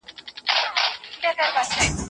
دا د سيمې د ټولنيزو شرايطو پايله ده.